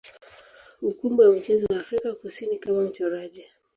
ukumbi wa michezo wa Afrika Kusini kama mchoraji.